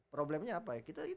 problemnya apa ya